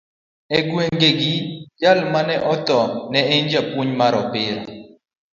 E gweng'gi, jal ma ne otho ne en japuonj mar opira